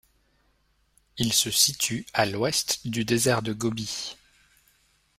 Il se situe à l'ouest du désert de Gobi.